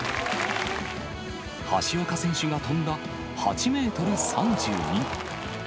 橋岡選手が飛んだ８メートル３２。